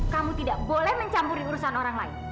kamu tidak boleh mencampuri urusan orang lain